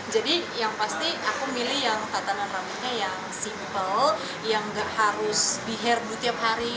jadi yang pasti aku milih yang tatanan rambutnya yang simple yang gak harus biher bu tiap hari